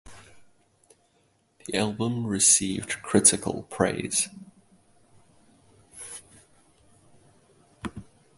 The album received critical praise.